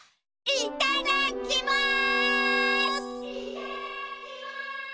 いただきます！